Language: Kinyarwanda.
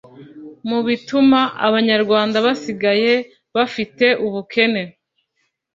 mu bituma abanyarwanda basigaye bafite ubukene